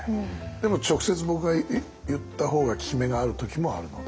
でも直接僕が言った方が効き目がある時もあるので。